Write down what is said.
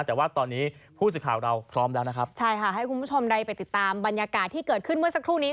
แต่ว่าตอนนี้ผู้สื่อข่าวเราพร้อมแล้วนะครับใช่ค่ะให้คุณผู้ชมได้ไปติดตามบรรยากาศที่เกิดขึ้นเมื่อสักครู่นี้